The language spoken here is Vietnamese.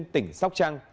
tỉnh sóc trăng